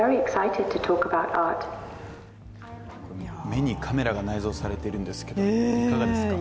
目にカメラが内蔵されているんですけれどもいかがですか？